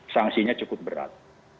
sangsinya cukup berat